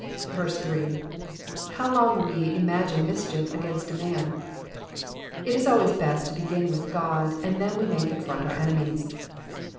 3. ''How long will ye imagine mischief against a man? '' It is always best to begin with God, and then may we confront our enemies.